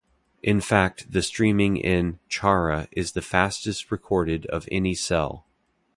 In fact the streaming in "Chara" is the fastest recorded of any cell.